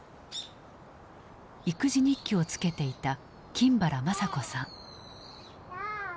育児日記をつけていた金原まさ子さん。